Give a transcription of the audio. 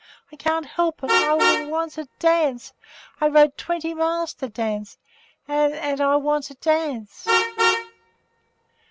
I can't help it! I I want to dance! I rode twenty miles to dance and and I want to dance!